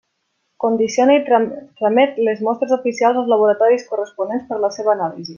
Condiciona i tramet les mostres oficials als laboratoris corresponents per a la seva anàlisi.